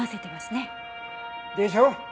でしょ？